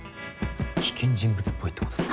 危険人物っぽいってことっすか？